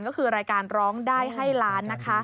ก็คือรายการร้องได้ให้ล้านนะคะ